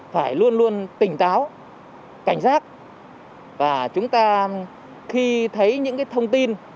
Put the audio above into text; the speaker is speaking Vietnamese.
phải luôn luôn tỉnh táo cảnh giác và chúng ta khi thấy những thông tin